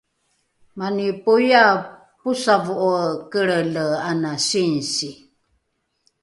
mani poiae posavo’oe kelrele ana singsi